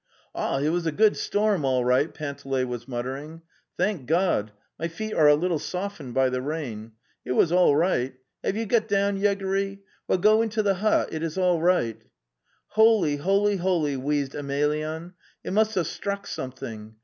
i Vlt wasia good storm, allvnight,!): 1)" veanteley was muttering.) (Thank) God,\ )./.\ my) feet, ane a little softened by the rain. It was all right... . Have you got down, Yegory? Well, go into the buesiitius all righty) Holy, holy, holy!" wheezed Emelyan, " it must have struck something.